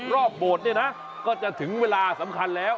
โบสถ์เนี่ยนะก็จะถึงเวลาสำคัญแล้ว